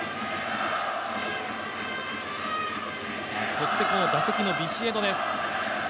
そしてこの打席のビシエドです。